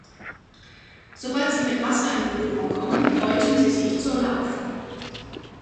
Sobald sie mit Wasser in Berührung kommen, häuten sie sich zur Larve.